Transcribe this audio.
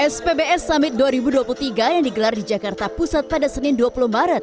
spbs summit dua ribu dua puluh tiga yang digelar di jakarta pusat pada senin dua puluh maret